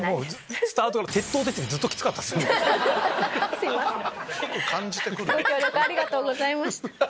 すいませんご協力ありがとうございました。